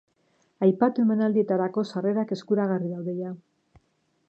Aipatu emanaldietarako sarrerak eskuragarri daude jada.